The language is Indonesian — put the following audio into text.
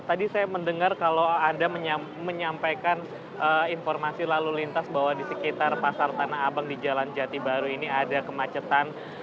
tadi saya mendengar kalau anda menyampaikan informasi lalu lintas bahwa di sekitar pasar tanah abang di jalan jati baru ini ada kemacetan